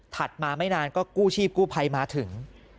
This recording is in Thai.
ถัดมาไม่นานก็กู้ชีพกู้ไพมาถึง